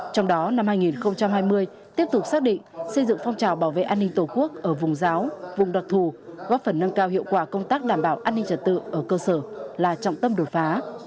trong đó năm hai nghìn hai mươi tiếp tục xác định xây dựng phong trào bảo vệ an ninh tổ quốc ở vùng giáo vùng đặc thù góp phần nâng cao hiệu quả công tác đảm bảo an ninh trật tự ở cơ sở là trọng tâm đột phá